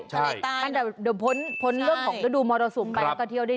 ช่วงนี้น่าไปเที้ยวด้วย